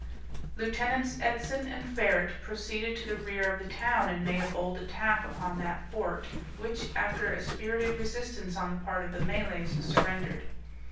Lieutenants Edson and Ferret proceeded to the rear of the town, and made a bold attack upon that fort, which, after a spirited resistance on the part of the Malays, surrendered.